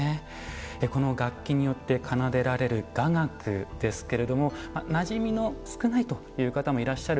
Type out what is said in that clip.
この楽器によって奏でられる雅楽ですけれども馴染みの少ないという方もいらっしゃると思います。